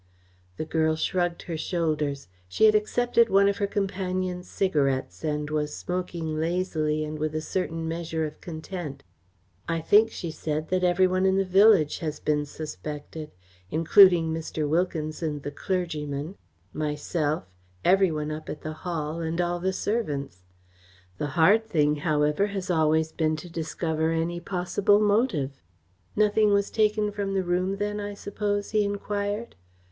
The girl shrugged her shoulders. She had accepted one of her companion's cigarettes and was smoking lazily and with a certain measure of content. "I think," she said, "that every one in the village has been suspected, including Mr. Wilkinson the clergyman, myself, every one up at the Hall and all the servants. The hard thing, however, has always been to discover any possible motive." "Nothing was taken from the room then, I suppose?" he enquired.